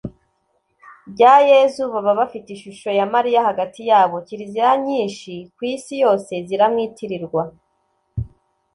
rya yezu, baba bafite ishusho ya mariya hagati yabo. kiliziya nyinshi ku isi yose ziramwitirirwa